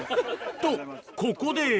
と、ここで。